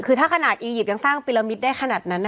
คือถ้าขนาดอียิปต์ยังสร้างปิลมิตได้ขนาดนั้น